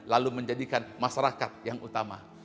lalu menjadikan masyarakat yang utama